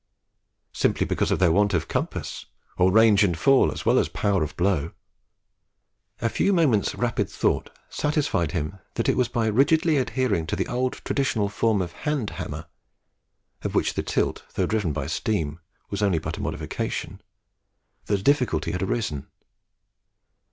Simply because of their want of compass, or range and fall, as well as power of blow. A few moments' rapid thought satisfied him that it was by rigidly adhering to the old traditional form of hand hammer of which the tilt, though driven by steam, was but a modification that the difficulty had arisen.